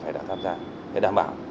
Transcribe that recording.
phải đã tham gia để đảm bảo